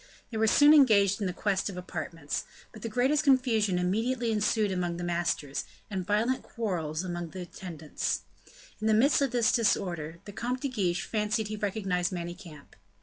They were soon engaged in quest of apartments; but the greatest confusion immediately ensued among the masters, and violent quarrels among their attendants. In the midst of this disorder, the Comte de Guiche fancied he recognized Manicamp.